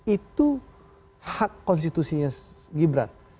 itu hak konstitusinya gibran